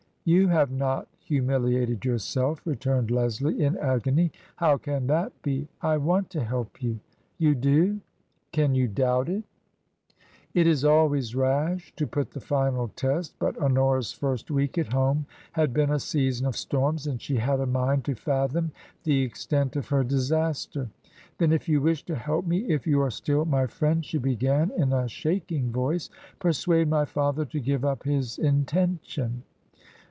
" You have not humiliated yourself," returned Leslie, in agony ;" how can that be ? I want to help you !"" You do ?" "Can you doubt it?" 6 62 TRANSITION. It is always rash to put the final test, but Honora's first week at home had been a season of storms, and she had a mind to fathom the extent of her disaster. "Then if you wish to help me — if you are still my friend," she began, in a shaking voice, "persuade my father to give up his intention."